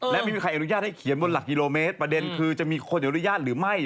และไม่มีใครอนุญาตให้เขียนบนหลักกิโลเมตรประเด็นคือจะมีคนอนุญาตหรือไม่